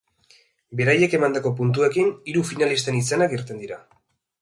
Beraiek emandako puntuekin, hiru finalisten izenak irten dira.